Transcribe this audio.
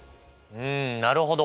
うんなるほど。